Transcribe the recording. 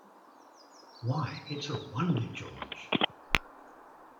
Why, it's a wonder, George!